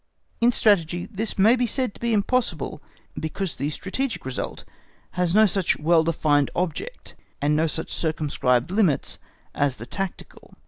In Strategy this may be said to be impossible, because the strategic result has no such well defined object and no such circumscribed limits as the tactical.